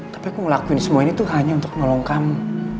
tapi aku ngelakuin semua ini tuh hanya untuk nolong kamu